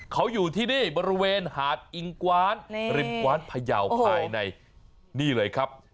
เขาอยู่ที่นี่บริเวณหาดอิงกวานริมกว้านพยาวภายในนี่เลยครับ